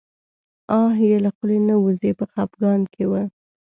آه یې له خولې نه وځي په خپګان کې و.